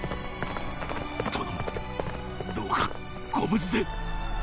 殿どうかご無事で！